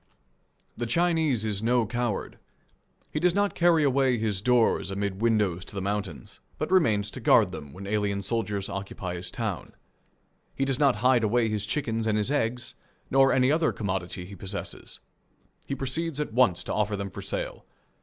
The Chinese is no coward. He does not carry away his doors amid windows to the mountains, but remains to guard them when alien soldiers occupy his town. He does not hide away his chickens and his eggs, nor any other commodity he possesses. He proceeds at once to offer them for sale.